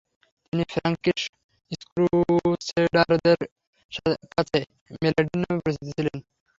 তিনি ফ্রাঙ্কিশ ক্রুসেডারদের কাছে মেলেডিন নামে পরিচিত ছিলেন।